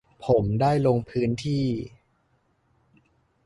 ผมได้ลงพื้นที่